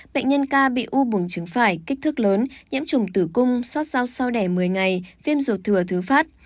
bệnh nhân ca bị u bùng trứng phải kích thước lớn nhiễm trùng tử cung sót rau sau đẻ một mươi ngày viêm ruột thừa thứ phát